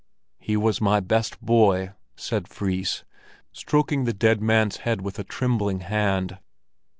"He was my best boy," said Fris, stroking the dead man's head with a trembling hand.